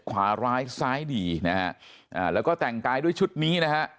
ขวาร้ายซ้ายดีนะฮะอ่าแล้วก็แต่งกายด้วยชุดนี้นะฮะ